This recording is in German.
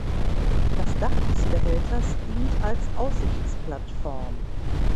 Das Dach des Behälters dient als Aussichtsplattform.